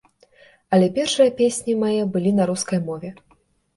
Але першыя песні мае былі на рускай мове.